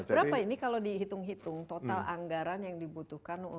berapa ini kalau dihitung hitung total anggaran yang dibutuhkan